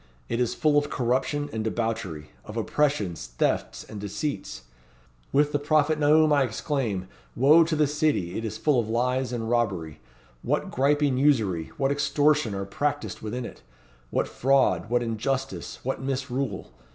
It is full of corruption and debauchery, of oppressions, thefts, and deceits. With the prophet Nahum I exclaim 'Wo to the city, it is full of lies and robbery! What griping usury, what extortion are practised within it! What fraud, what injustice, what misrule!